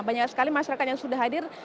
banyak sekali masyarakat yang sudah hadir